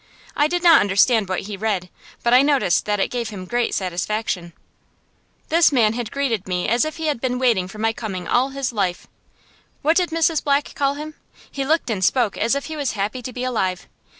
I did not understand what he read, but I noticed that it gave him great satisfaction. This man had greeted me as if he had been waiting for my coming all his life. What did Mrs. Black call him? He looked and spoke as if he was happy to be alive.